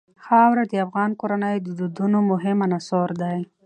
خاوره د افغان کورنیو د دودونو مهم عنصر دی.